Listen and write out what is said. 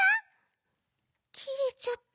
きれちゃった。